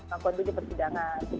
pengakuan dia di persidangan